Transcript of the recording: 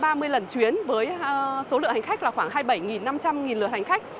thì khoảng là một trăm ba mươi lần chuyến với số lượng hành khách là khoảng hai mươi bảy năm trăm linh lượt hành khách